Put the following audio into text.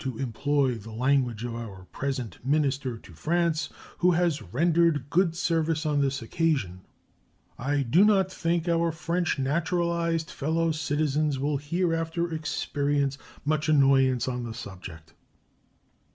To employ the language of our present minister to France, who has rendered good service on this occasion. "I do not think our French naturalized fellow citizens will hereafter experience much annoyance on this subject."